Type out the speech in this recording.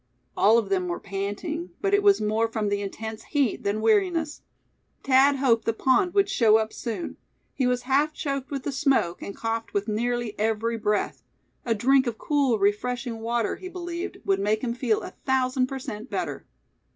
All of them were panting, but it was more from the intense heat than weariness. Thad hoped the pond would show up soon. He was half choked with the smoke, and coughed with nearly every breath. A drink of cool refreshing water, he believed, would make him feel a thousand per cent better.